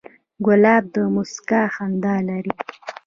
ګلاب د موسکا خندا لري.